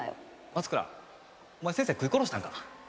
松倉お前先生食い殺したんか？